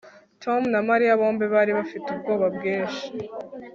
Tom na Mariya bombi bari bafite ubwoba bwinshi